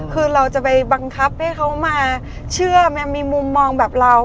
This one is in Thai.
คือเราจะไปบังคับให้เขามาเชื่อมีมุมมองแบบเรา